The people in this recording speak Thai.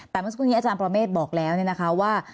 แต่เมื่อสักครู่นี้อาจารย์ประเมฆบอกแล้วเนี่ยนะคะว่า